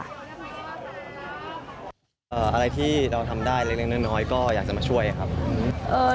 อะไรที่เราทำได้เล็กน้อยน้อยก็อยากจะมาช่วยครับ